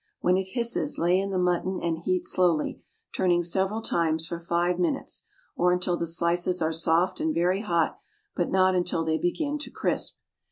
When it hisses lay in the mutton and heat slowly—turning several times—for five minutes, or until the slices are soft and very hot, but not until they begin to crisp.